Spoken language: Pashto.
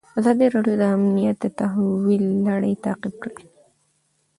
ازادي راډیو د امنیت د تحول لړۍ تعقیب کړې.